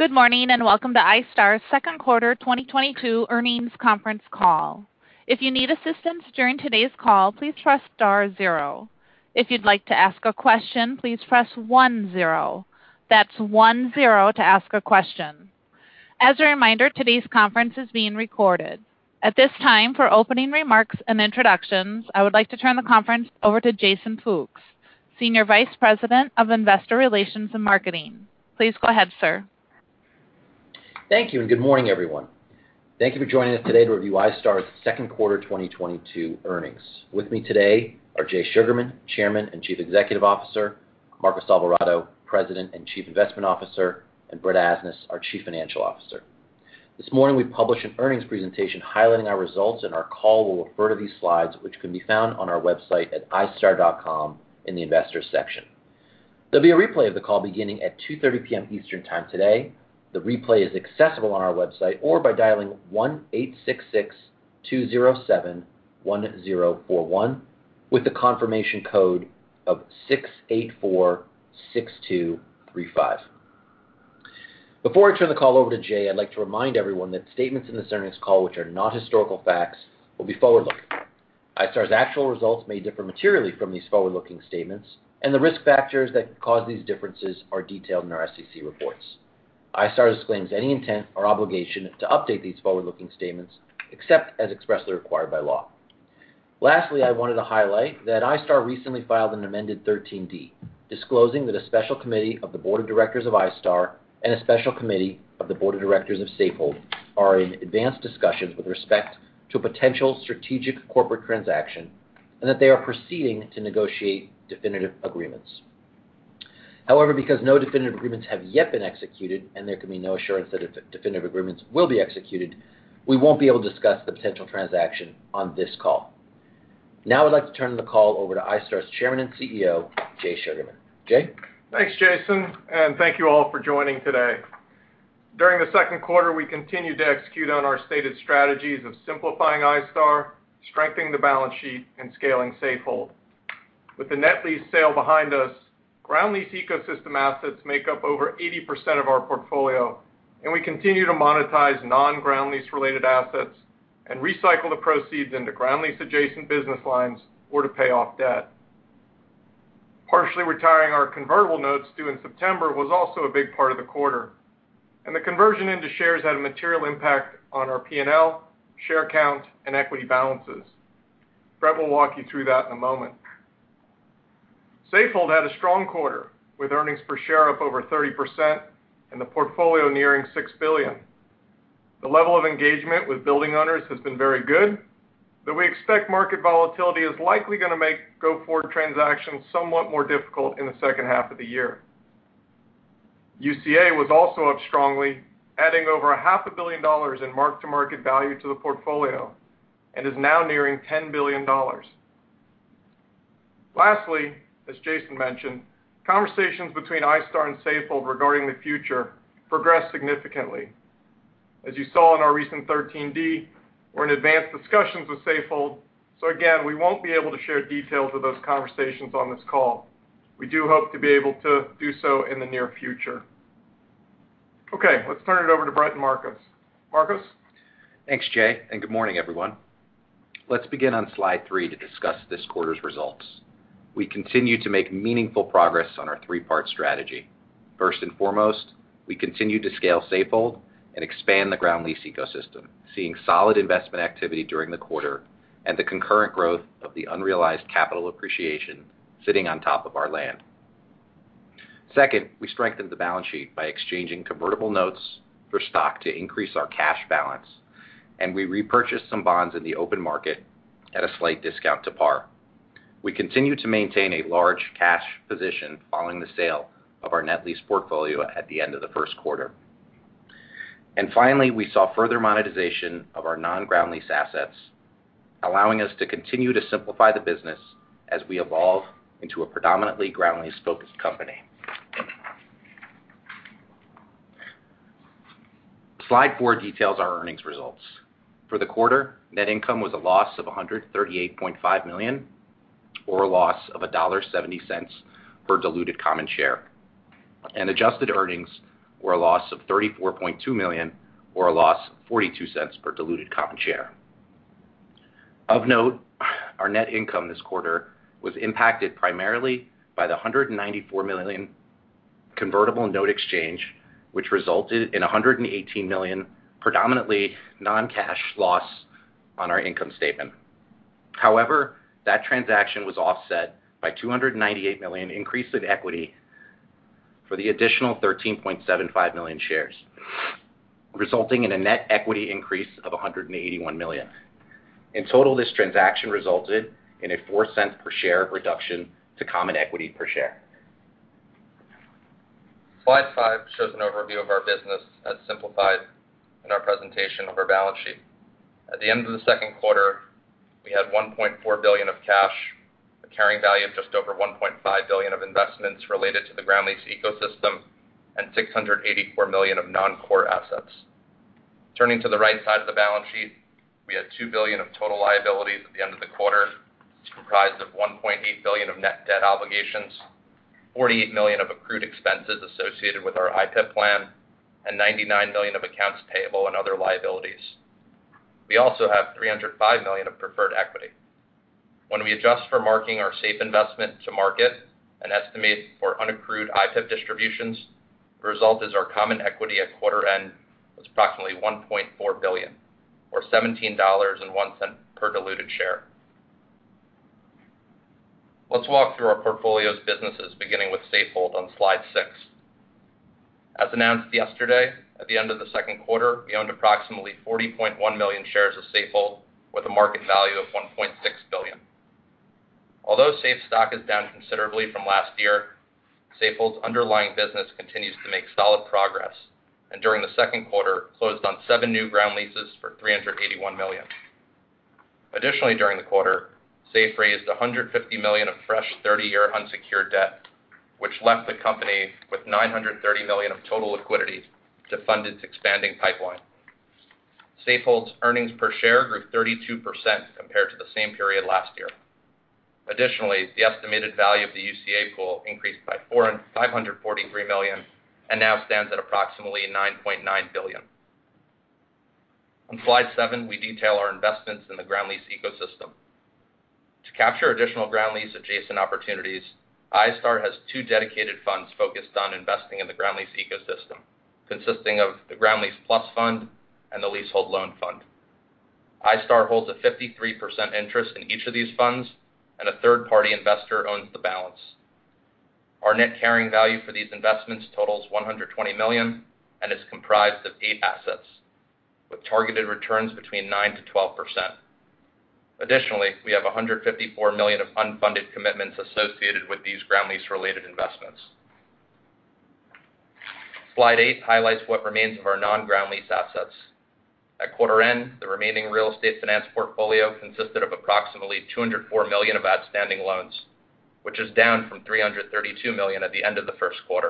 Good morning, and welcome to iStar's Q2 2022 earnings conference call. If you need assistance during today's call, please press star zero. If you'd like to ask a question, please press one zero. That's one zero to ask a question. As a reminder, today's conference is being recorded. At this time, for opening remarks and introductions, I would like to turn the conference over to Jason Fooks, Senior Vice President of Investor Relations and Marketing. Please go ahead, sir. Thank you, and good morning, everyone. Thank you for joining us today to review iStar's Q2 2022 earnings. With me today are Jay Sugarman, Chairman and Chief Executive Officer, Marcos Alvarado, President and Chief Investment Officer, and Brett Asnas, our Chief Financial Officer. This morning, we published an earnings presentation highlighting our results, and our call will refer to these slides, which can be found on our website at istar.com in the Investors section. There'll be a replay of the call beginning at 2:30 P.M. Eastern Time today. The replay is accessible on our website or by dialing 1-866-207-1041 with the confirmation code of 6846235. Before I turn the call over to Jay, I'd like to remind everyone that statements in this earnings call which are not historical facts will be forward-looking. iStar's actual results may differ materially from these forward-looking statements, and the risk factors that cause these differences are detailed in our SEC reports. iStar disclaims any intent or obligation to update these forward-looking statements except as expressly required by law. Lastly, I wanted to highlight that iStar recently filed an amended 13D, disclosing that a special committee of the board of directors of iStar and a special committee of the board of directors of Safehold are in advanced discussions with respect to potential strategic corporate transaction and that they are proceeding to negotiate definitive agreements. However, because no definitive agreements have yet been executed and there can be no assurance that definitive agreements will be executed, we won't be able to discuss the potential transaction on this call. Now I'd like to turn the call over to iStar's Chairman and CEO, Jay Sugarman. Jay. Thanks, Jason, and thank you all for joining today. During the Q2, we continued to execute on our stated strategies of simplifying iStar, strengthening the balance sheet, and scaling Safehold. With the net lease sale behind us, ground lease ecosystem assets make up over 80% of our portfolio, and we continue to monetize non-ground lease related assets and recycle the proceeds into ground lease adjacent business lines or to pay off debt. Partially retiring our convertible notes due in September was also a big part of the quarter, and the conversion into shares had a material impact on our P&L, share count, and equity balances. Brett will walk you through that in a moment. Safehold had a strong quarter with earnings per share up over 30% and the portfolio nearing $6 billion. The level of engagement with building owners has been very good, but we expect market volatility is likely gonna make go-forward transactions somewhat more difficult in the second half of the year. UCA was also up strongly, adding over a half a billion dollars in mark-to-market value to the portfolio and is now nearing $10 billion. Lastly, as Jason mentioned, conversations between iStar and Safehold regarding the future progressed significantly. As you saw in our recent 13D, we're in advanced discussions with Safehold, so again, we won't be able to share details of those conversations on this call. We do hope to be able to do so in the near future. Okay, let's turn it over to Brett and Marcos. Marcos? Thanks, Jay, and good morning, everyone. Let's begin on Slide 3 to discuss this quarter's results. We continue to make meaningful progress on our three-part strategy. First and foremost, we continue to scale Safehold and expand the ground lease ecosystem, seeing solid investment activity during the quarter and the concurrent growth of the unrealized capital appreciation sitting on top of our land. Second, we strengthened the balance sheet by exchanging convertible notes for stock to increase our cash balance, and we repurchased some bonds in the open market at a slight discount to par. We continue to maintain a large cash position following the sale of our net lease portfolio at the end of the Q1. Finally, we saw further monetization of our non-ground lease assets, allowing us to continue to simplify the business as we evolve into a predominantly ground lease-focused company. Slide 4 details our earnings results. For the quarter, net income was a loss of $138.5 million or a loss of $1.70 per diluted common share, and adjusted earnings were a loss of $34.2 million or a loss of $0.42 per diluted common share. Of note, our net income this quarter was impacted primarily by the $194 million convertible note exchange, which resulted in a $118 million predominantly non-cash loss on our income statement. However, that transaction was offset by $298 million increase in equity for the additional 13.75 million shares, resulting in a net equity increase of $181 million. In total, this transaction resulted in a $0.04 per share reduction to common equity per share. Slide 5 shows an overview of our business as simplified in our presentation of our balance sheet. At the end of the Q2, we had $1.4 billion of cash, a carrying value of just over $1.5 billion of investments related to the ground lease ecosystem, and $684 million of non-core assets. Turning to the right side of the balance sheet, we had $2 billion of total liabilities at the end of the quarter, comprised of $1.8 billion of net debt obligations, $48 million of accrued expenses associated with our IPIP plan, and $99 million of accounts payable and other liabilities. We also have $305 million of preferred equity. When we adjust for marking our SAFE investment to market, an estimate for unaccrued IPIP distributions, the result is our common equity at quarter end was approximately $1.4 billion, or $17.01 per diluted share. Let's walk through our portfolio's businesses, beginning with Safehold on Slide 6. As announced yesterday, at the end of the Q2, we owned approximately 40.1 million shares of Safehold with a market value of $1.6 billion. Although SAFE stock is down considerably from last year, Safehold's underlying business continues to make solid progress, and during the Q2 closed on 7 new ground leases for $381 million. Additionally, during the quarter, SAFE raised $150 million of fresh 30-year unsecured debt, which left the company with $930 million of total liquidity to fund its expanding pipeline. Safehold's earnings per share grew 32% compared to the same period last year. Additionally, the estimated value of the UCA pool increased by $453 million and now stands at approximately $9.9 billion. On Slide 7, we detail our investments in the ground lease ecosystem. To capture additional ground lease adjacent opportunities, iStar has two dedicated funds focused on investing in the ground lease ecosystem, consisting of the Ground Lease Plus Fund and the Leasehold Loan Fund. iStar holds a 53% interest in each of these funds, and a third-party investor owns the balance. Our net carrying value for these investments totals $120 million and is comprised of 8 assets with targeted returns between 9%-12%. Additionally, we have $154 million of unfunded commitments associated with these ground lease-related investments. Slide 8 highlights what remains of our non-ground lease assets. At quarter end, the remaining real estate finance portfolio consisted of approximately $204 million of outstanding loans, which is down from $332 million at the end of the Q1.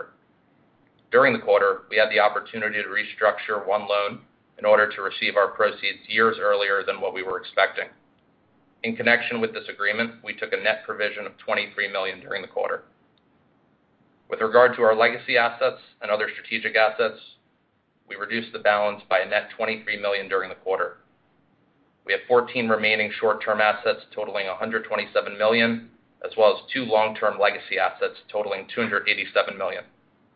During the quarter, we had the opportunity to restructure one loan in order to receive our proceeds years earlier than what we were expecting. In connection with this agreement, we took a net provision of $23 million during the quarter. With regard to our legacy assets and other strategic assets, we reduced the balance by a net $23 million during the quarter. We have 14 remaining short-term assets totaling $127 million, as well as 2 long-term legacy assets totaling $287 million,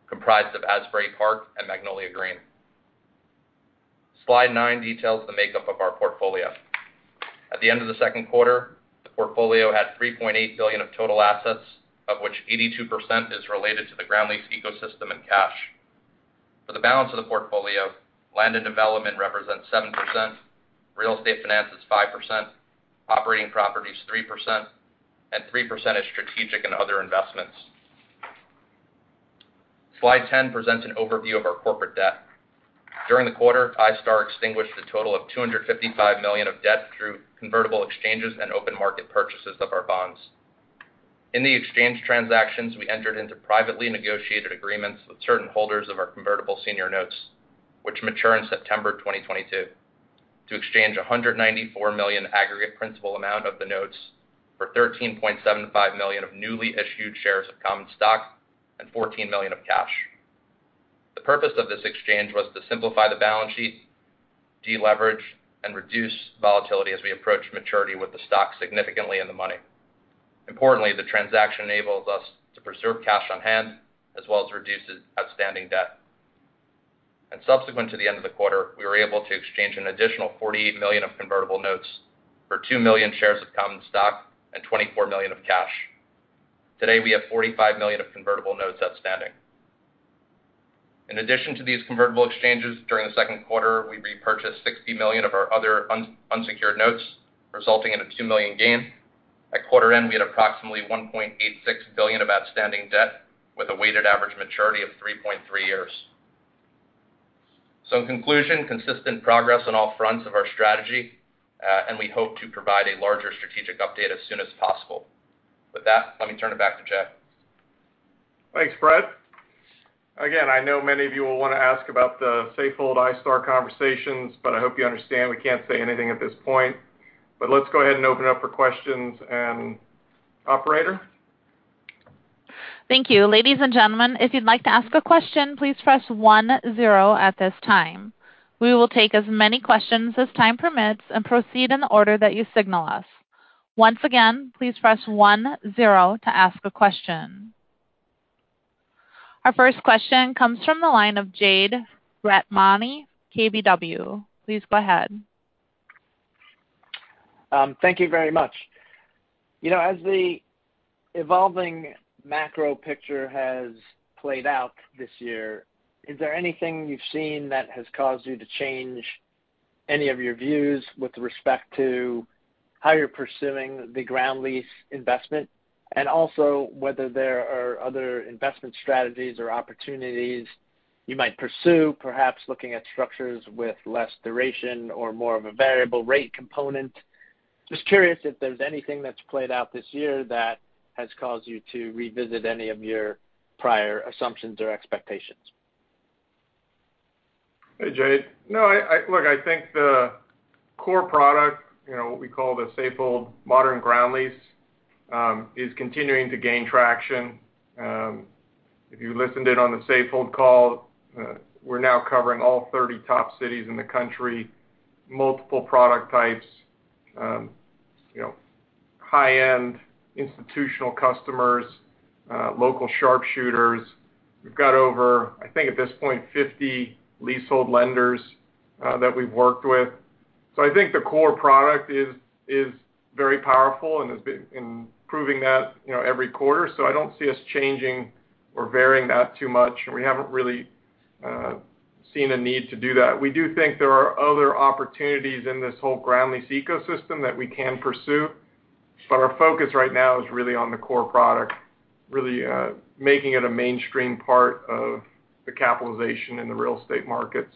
comprised of Asbury Park and Magnolia Green. Slide 9 details the makeup of our portfolio. At the end of the Q2, the portfolio had $3.8 billion of total assets, of which 82% is related to the ground lease ecosystem and cash. For the balance of the portfolio, land and development represents 7%, real estate finance is 5%, operating properties 3%, and 3% is strategic and other investments. Slide 10 presents an overview of our corporate debt. During the quarter, iStar extinguished a total of $255 million of debt through convertible exchanges and open market purchases of our bonds. In the exchange transactions, we entered into privately negotiated agreements with certain holders of our convertible senior notes, which mature in September 2022, to exchange $194 million aggregate principal amount of the notes for 13.75 million newly issued shares of common stock and $14 million of cash. The purpose of this exchange was to simplify the balance sheet, deleverage, and reduce volatility as we approach maturity with the stock significantly in the money. Importantly, the transaction enables us to preserve cash on hand as well as reduce its outstanding debt. Subsequent to the end of the quarter, we were able to exchange an additional $48 million of convertible notes for 2 million shares of common stock and $24 million of cash. Today, we have $45 million of convertible notes outstanding. In addition to these convertible exchanges, during the Q2, we repurchased $60 million of our other unsecured notes, resulting in a $2 million gain. At quarter end, we had approximately $1.86 billion of outstanding debt with a weighted average maturity of 3.3 years. In conclusion, consistent progress on all fronts of our strategy, and we hope to provide a larger strategic update as soon as possible. With that, let me turn it back to Jay. Thanks, Brett. Again, I know many of you will wanna ask about the Safehold iStar conversations, but I hope you understand we can't say anything at this point. Let's go ahead and open up for questions and Operator? Thank you. Ladies and gentlemen, if you'd like to ask a question, please press one zero at this time. We will take as many questions as time permits and proceed in the order that you signal us. Once again, please press one zero to ask a question. Our first question comes from the line of Jade Rahmani, KBW. Please go ahead. Thank you very much. You know, as the evolving macro picture has played out this year, is there anything you've seen that has caused you to change any of your views with respect to how you're pursuing the ground lease investment? And also, whether there are other investment strategies or opportunities you might pursue, perhaps looking at structures with less duration or more of a variable rate component? Just curious if there's anything that's played out this year that has caused you to revisit any of your prior assumptions or expectations. Hey, Jay. No. Look, I think the core product, you know, what we call the Safehold Modern Ground Lease, is continuing to gain traction. If you listened in on the Safehold call, we're now covering all 30 top cities in the country, multiple product types, you know, high-end institutional customers, local sharpshooters. We've got over, I think at this point, 50 leasehold lenders that we've worked with. I think the core product is very powerful and has been improving that, you know, every quarter. I don't see us changing or varying that too much, and we haven't really seen a need to do that. We do think there are other opportunities in this whole ground lease ecosystem that we can pursue, but our focus right now is really on the core product, really making it a mainstream part of the capitalization in the real estate markets.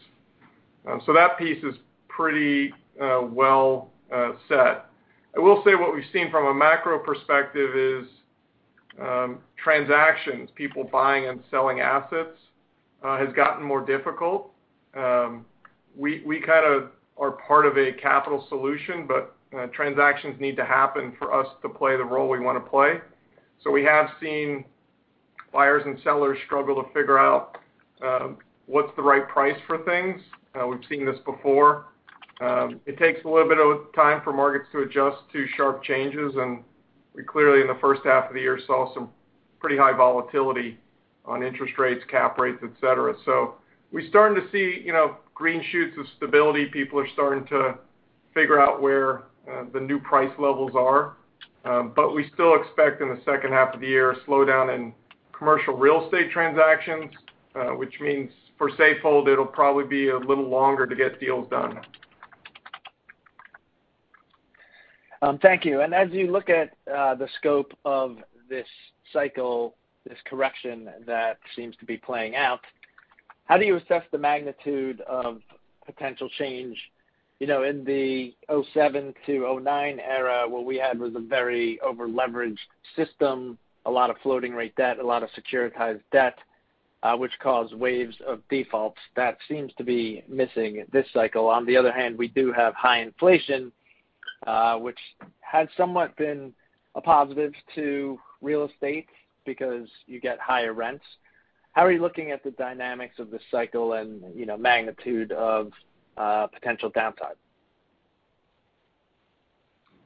That piece is pretty well set. I will say what we've seen from a macro perspective is transactions. People buying and selling assets has gotten more difficult. We kinda are part of a capital solution, but transactions need to happen for us to play the role we wanna play. We have seen buyers and sellers struggle to figure out what's the right price for things. We've seen this before. It takes a little bit of time for markets to adjust to sharp changes, and we clearly in the first half of the year saw some pretty high volatility on interest rates, cap rates, et cetera. We're starting to see, you know, green shoots of stability. People are starting to figure out where the new price levels are. We still expect in the second half of the year a slowdown in commercial real estate transactions, which means for Safehold, it'll probably be a little longer to get deals done. Thank you. As you look at the scope of this cycle, this correction that seems to be playing out, how do you assess the magnitude of potential change? You know, in the 2007-2009 era, what we had was a very over-leveraged system, a lot of floating rate debt, a lot of securitized debt, which caused waves of defaults. That seems to be missing this cycle. On the other hand, we do have high inflation, which has somewhat been a positive to real estate because you get higher rents. How are you looking at the dynamics of this cycle and, you know, magnitude of potential downtime?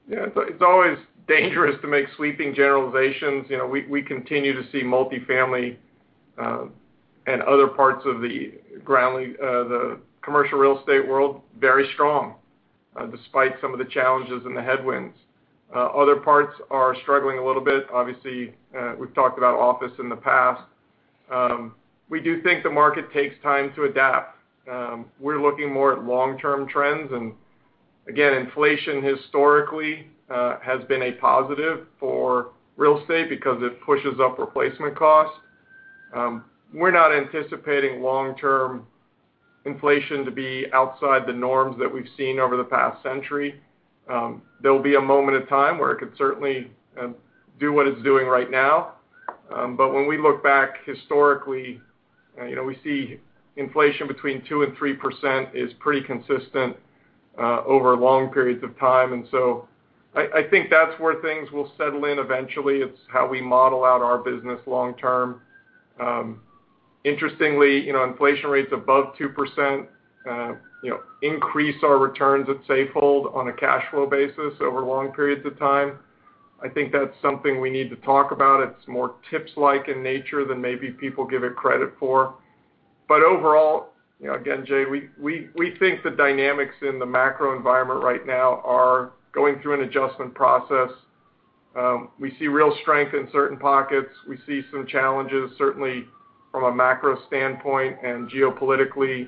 Yeah. It's always dangerous to make sweeping generalizations. You know, we continue to see multifamily and other parts of the commercial real estate world very strong despite some of the challenges and the headwinds. Other parts are struggling a little bit. Obviously, we've talked about office in the past. We do think the market takes time to adapt. We're looking more at long-term trends. Again, inflation historically has been a positive for real estate because it pushes up replacement costs. We're not anticipating long-term inflation to be outside the norms that we've seen over the past century. There'll be a moment in time where it could certainly do what it's doing right now. When we look back historically, you know, we see inflation between 2% and 3% is pretty consistent over long periods of time. I think that's where things will settle in eventually. It's how we model out our business long term. Interestingly, you know, inflation rates above 2%, you know, increase our returns at Safehold on a cash flow basis over long periods of time. I think that's something we need to talk about. It's more TIPS-like in nature than maybe people give it credit for. Overall, you know, again, Jay, we think the dynamics in the macro environment right now are going through an adjustment process. We see real strength in certain pockets. We see some challenges, certainly from a macro standpoint and geopolitically.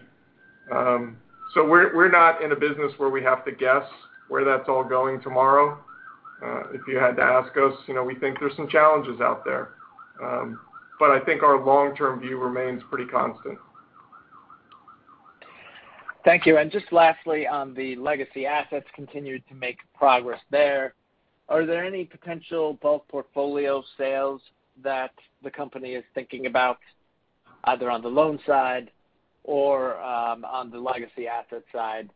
We're not in a business where we have to guess where that's all going tomorrow. If you had to ask us, you know, we think there's some challenges out there. I think our long-term view remains pretty constant. Thank you. Just lastly, on the legacy assets, continued to make progress there. Are there any potential bulk portfolio sales that the company is thinking about, either on the loan side or on the legacy asset side?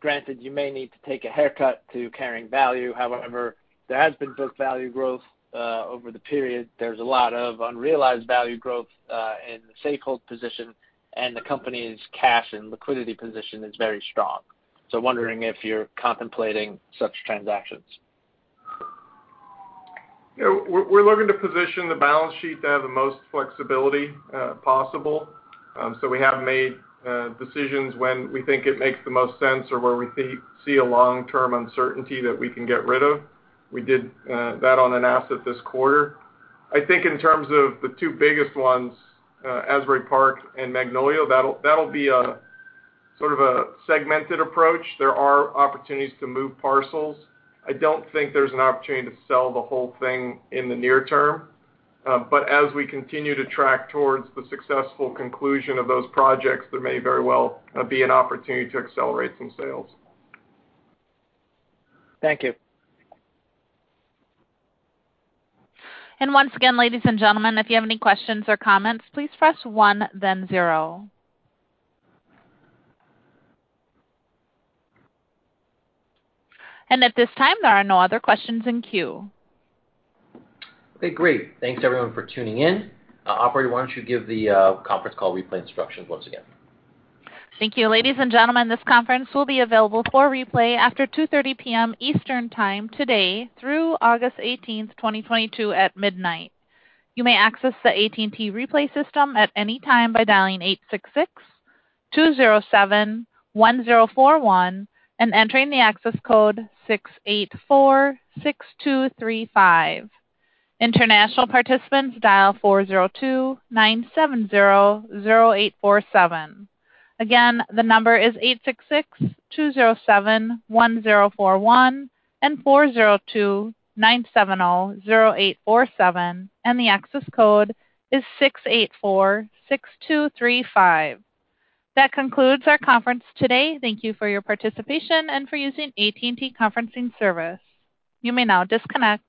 Granted, you may need to take a haircut to carrying value. However, there has been book value growth over the period. There's a lot of unrealized value growth in the Safehold position, and the company's cash and liquidity position is very strong. Wondering if you're contemplating such transactions. You know, we're looking to position the balance sheet to have the most flexibility possible. We have made decisions when we think it makes the most sense or where we see a long-term uncertainty that we can get rid of. We did that on an asset this quarter. I think in terms of the two biggest ones, Asbury Park and Magnolia, that'll be a sort of a segmented approach. There are opportunities to move parcels. I don't think there's an opportunity to sell the whole thing in the near term. As we continue to track towards the successful conclusion of those projects, there may very well be an opportunity to accelerate some sales. Thank you. Once again, ladies and gentlemen, if you have any questions or comments, please press one then zero. At this time, there are no other questions in queue. Okay, great. Thanks everyone for tuning in. Operator, why don't you give the conference call replay instructions once again? Thank you. Ladies and gentlemen, this conference will be available for replay after 2:30 P.M. Eastern Time today through August 18, 2022 at midnight. You may access the AT&T replay system at any time by dialing 866-207-1041 and entering the access code 6846235. International participants dial 402-970-0847. Again, the number is 866-207-1041 and 402-970-0847, and the access code is 6846235. That concludes our conference today. Thank you for your participation and for using AT&T Conferencing Service. You may now disconnect.